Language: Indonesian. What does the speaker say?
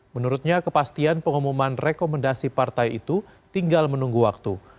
menurutnya kepastian pengumuman rekomendasi partai itu tinggal menunggu waktu